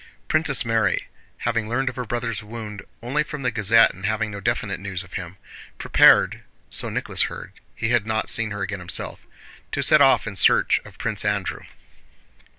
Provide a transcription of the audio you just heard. Princess Mary, having learned of her brother's wound only from the Gazette and having no definite news of him, prepared (so Nicholas heard, he had not seen her again himself) to set off in search of Prince Andrew.